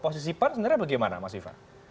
posisi pan sebenarnya bagaimana mas iva